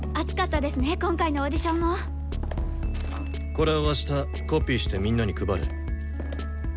これをあしたコピーしてみんなに配れ。